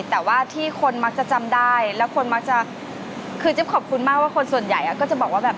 แต่ว่าที่คนมักจะจำได้แล้วคนมักจะคือจิ๊บขอบคุณมากว่าคนส่วนใหญ่ก็จะบอกว่าแบบ